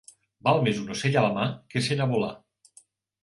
Val més un ocell a la mà que cent a volar